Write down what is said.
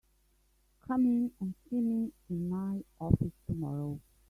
Come in and see me in my office tomorrow.